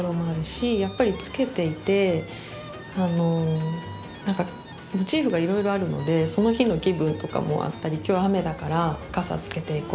やっぱりつけていて何かモチーフがいろいろあるのでその日の気分とかもあったり今日雨だから傘つけていこうとか。